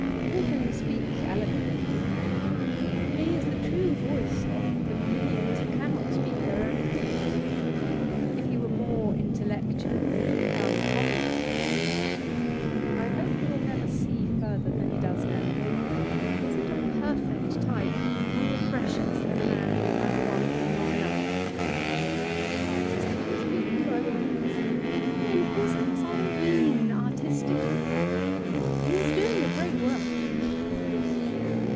He can speak eloquently; he is the true voice of the millions who cannot speak their own thoughts. If he were more intellectual he would become commonplace; I hope he will never see further than he does now. Isn't a perfect type more precious than a man who is neither one thing nor another?' 'Artistically speaking, by all means.' 'In his case I don't mean it artistically. He is doing a great work.